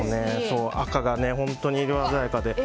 赤が本当に色鮮やかで。